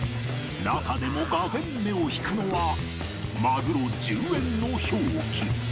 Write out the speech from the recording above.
中でも俄然目を引くのは「まぐろ１０円」の表記。